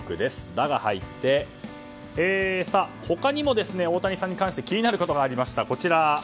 「ダ」が入って他にも大谷さんに関して気になることがありました。